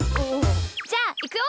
じゃあいくよ！